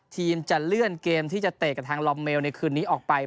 จะเลื่อนเกมที่จะเตะกับทางลอมเมลในคืนนี้ออกไป